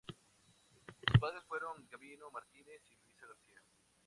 Sus padre fueron Gabino Martínez y Luisa García.